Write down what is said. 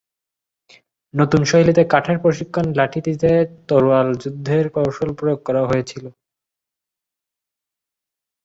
নতুন শৈলীতে কাঠের প্রশিক্ষণ-লাঠিটিতে তরোয়াল যুদ্ধের কৌশল প্রয়োগ করা হয়েছিল।